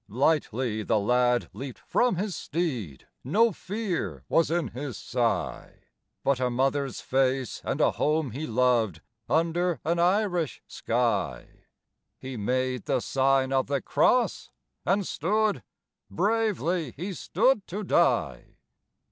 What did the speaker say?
Lightly the lad leaped from his steed, No fear was in his sigh, But a mother's face and a home he loved Under an Irish sky: He made the Sign of the Cross and stood, Bravely he stood to die.